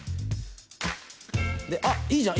であいいじゃん。